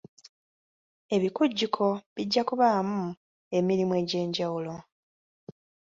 Ebikujjuko bijja kubaamu emirimu egy'enjawulo.